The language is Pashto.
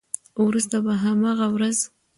وروسته په همغه ورځ